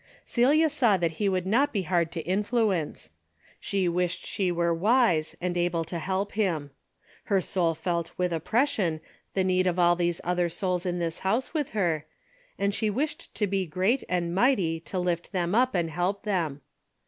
Celia saw that he would not be hard to influence. She wished she were wise and able to help him. Her soul felt with oppression the need of all these other souls in this house with her, and she wished to be great and mighty to lift them up and help them.